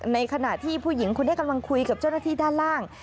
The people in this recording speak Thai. ในขณะที่ผู้หญิงคนนี้กำลังคุยกับเจ้าหน้าที่ด้านล่าง